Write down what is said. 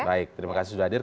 baik terima kasih sudah hadir